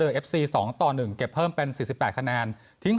เรือเอฟซีสองต่อหนึ่งเก็บเพิ่มเป็นสิบสิบแปดคะแนนทิ้ง